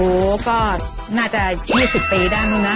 โอ๊ค่ะก็น่าจะ๒๐ปีได้มึงนะ